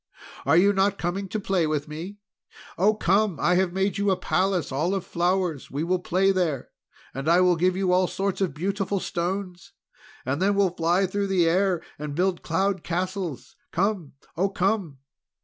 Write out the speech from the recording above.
Are you not coming to play with me? Oh, come! I have made you a palace all of flowers! We will play there, and I will give you all sorts of beautiful stones! And then we'll fly through the air, and build cloud castles! Come! Oh, come!"